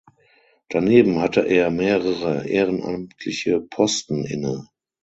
Daneben hatte er mehrere ehrenamtliche Posten inne.